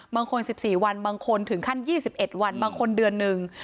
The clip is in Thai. บางที๑๔วันบางคนถึงขั้น๒๑วันบางคนเดือนหนึ่ง